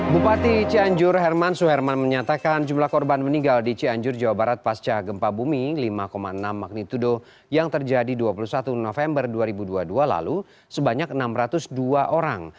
bupati cianjur herman suherman menyatakan jumlah korban meninggal di cianjur jawa barat pasca gempa bumi lima enam magnitudo yang terjadi dua puluh satu november dua ribu dua puluh dua lalu sebanyak enam ratus dua orang